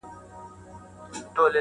د لنډغرو پر وړاندې غږ پورته کول